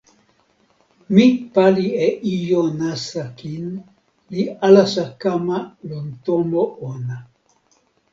mi pali e ijo nasa kin, li alasa kama lon tomo ona.